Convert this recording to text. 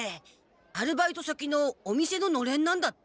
アルバイト先のお店ののれんなんだって。